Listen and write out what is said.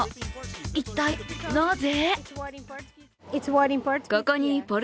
一体、なぜ？